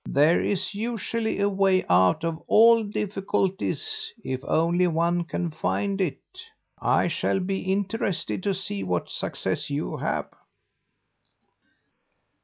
There is usually a way out of all difficulties, if only one can find it. I shall be interested to see what success you have."